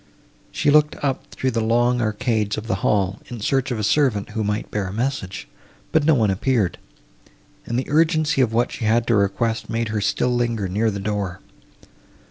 She looked up through the long arcades of the hall, in search of a servant, who might bear a message, but no one appeared, and the urgency of what she had to request made her still linger near the door.